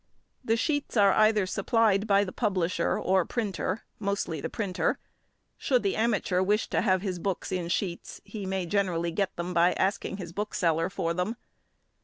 The sheets are either supplied by the publisher or printer (mostly the printer); should the amateur wish to have his books in sheets, he may generally get them by asking his bookseller for them.